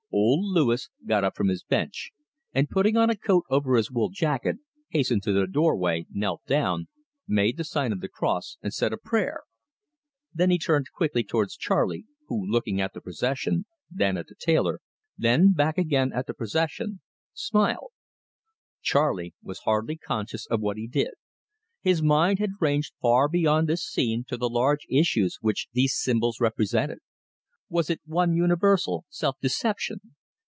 Old Louis got up from his bench, and, putting on a coat over his wool jacket, hastened to the doorway, knelt down, made the sign of the cross, and said a prayer. Then he turned quickly towards Charley, who, looking at the procession, then at the tailor, then back again at the procession, smiled. Charley was hardly conscious of what he did. His mind had ranged far beyond this scene to the large issues which these symbols represented. Was it one universal self deception?